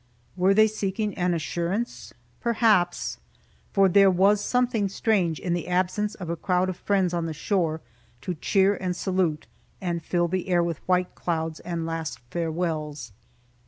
Were they seeking an assurance? Perhaps; for there was something strange in the absence of a crowd of friends on the shore, to cheer and salute, and fill the air with white clouds and last farewells.